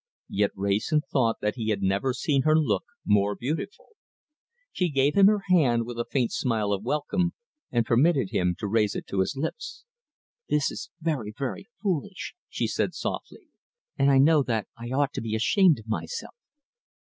Yet Wrayson thought that he had never seen her look more beautiful. She gave him her hand with a faint smile of welcome, and permitted him to raise it to his lips. "This is very, very foolish," she said softly, "and I know that I ought to be ashamed of myself."